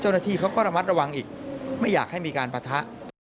เจ้าหน้าที่เขาก็ระมัดระวังอีกไม่อยากให้มีการปะทะ